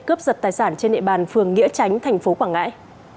cướp giật tài sản trên địa bàn phường nghĩa tránh thành phố quảng ngãi